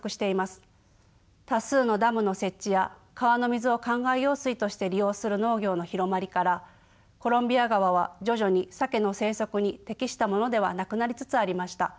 多数のダムの設置や川の水をかんがい用水として利用する農業の広まりからコロンビア川は徐々にサケの生息に適したものではなくなりつつありました。